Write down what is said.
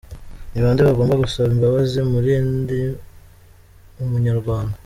– Ni bande bagomba gusaba imbabazi muri ndi umunyarwanda?